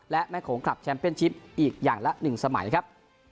และแม่โขงคลับแชมป์เป็นชิปอีกอย่างละ๑สมัยครับ